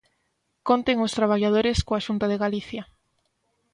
Conten os traballadores coa Xunta de Galicia.